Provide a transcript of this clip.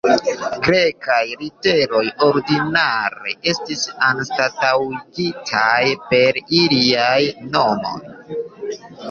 Grekaj literoj ordinare estis anstataŭigitaj per iliaj nomoj.